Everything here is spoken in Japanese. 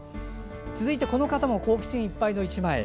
続いて、この方も好奇心いっぱいの１枚。